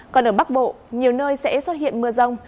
còn ở bắc bộ nhiều nơi sẽ xuất hiện mưa rông